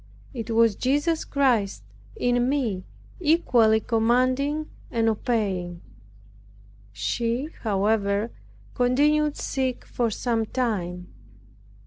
It was Jesus Christ in me equally commanding and obeying. She, however, continued sick for sometime.